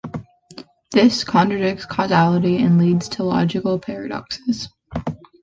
This contradicts causality and leads to logical paradoxes.